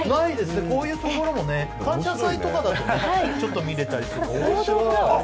こういうところも「感謝祭」とかだとちょっと見れたりするんですけど。